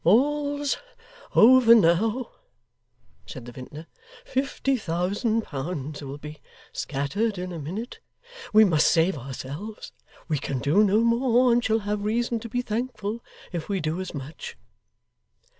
'All's over now,' said the vintner. 'Fifty thousand pounds will be scattered in a minute. We must save ourselves. We can do no more, and shall have reason to be thankful if we do as much.